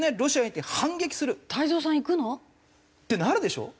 太蔵さん行くの？ってなるでしょ？